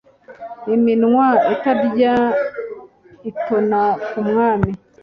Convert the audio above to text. iminwa itaryarya itona ku mwami